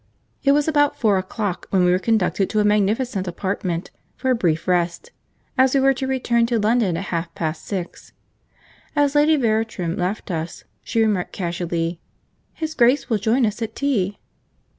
It was about four o'clock when we were conducted to a magnificent apartment for a brief rest, as we were to return to London at half past six. As Lady Veratrum left us, she remarked casually, 'His Grace will join us at tea.'